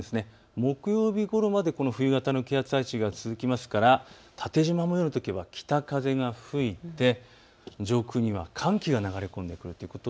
木曜日までこの冬型の気圧配置、続きますから縦じま模様のときは北風が吹いて上空には寒気が流れ込んできます。